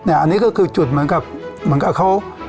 อันนี้ก็คือจุดเหมือนกับเหมือนกับเขา